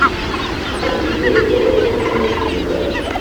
bafite ubwoba bwo kumubwira